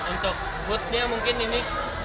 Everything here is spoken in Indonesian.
untuk moodnya mungkin ini